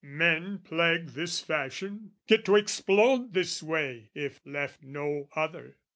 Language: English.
Men, plagued this fashion, get to explode this way, If left no other.